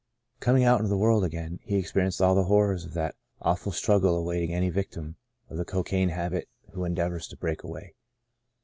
Coming out into the world again, he ex perienced all the horrors of that awful strug gle awaiting any victim of the cocaine habit who endeavours to " break away."